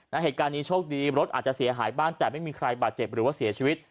เหตุการณ์นี้โชคดีรถอาจจะเสียหายบ้างแต่ไม่มีใครบาดเจ็บหรือว่าเสียชีวิต